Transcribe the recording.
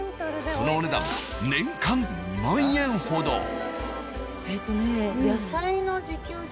そのお値段年間２万円ほど。